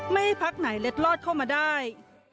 ไม่ให้พักไหนเล็ดลอดเข้ามาได้